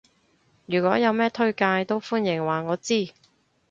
如果有咩推介都歡迎話我知